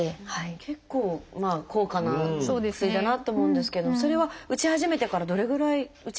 結構高価な薬だなと思うんですけれどもそれは打ち始めてからどれぐらい打ち続けるんですか？